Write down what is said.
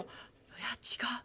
いや違う。